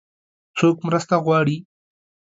څوک مرسته غواړي؟